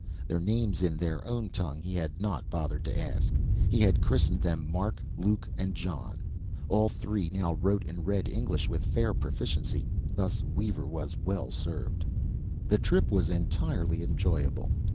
Their names in their own tongue he had not bothered to ask; he had christened them Mark, Luke and John. All three now wrote and read English with fair proficiency; thus Weaver was well served. The trip was entirely enjoyable.